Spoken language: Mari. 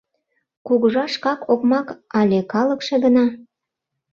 Кугыжа шкак окмак але калыкше гына?